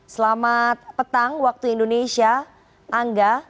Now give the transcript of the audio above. selamat petang waktu indonesia angga